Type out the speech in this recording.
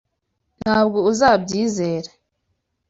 Ntabwo uzabyizera!